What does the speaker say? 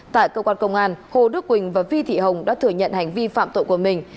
tại cơ quan công an hồ đức quỳnh và vi thị hồng đã thừa nhận hành vi phạm tội của mình